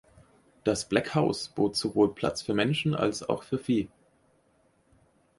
Das Black House bot sowohl Platz für Menschen als auch für Vieh.